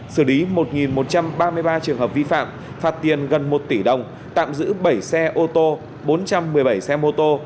xử lý một một trăm ba mươi ba trường hợp vi phạm phạt tiền gần một tỷ đồng tạm giữ bảy xe ô tô bốn trăm một mươi bảy xe mô tô